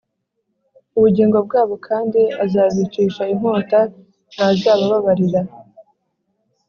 ubugingo bwabo kandi azabicisha inkota Ntazabababarira